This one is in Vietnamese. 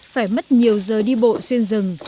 phải mất nhiều giờ đi bộ xuyên rừng